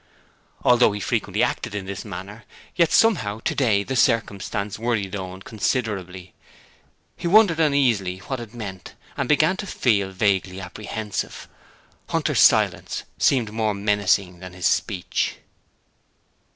Although he frequently acted in this manner, yet somehow today the circumstance worried Owen considerably. He wondered uneasily what it meant, and began to feel vaguely apprehensive. Hunter's silence seemed more menacing than his speech.